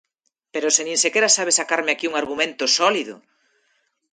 ¡Pero se nin sequera sabe sacarme aquí un argumento sólido!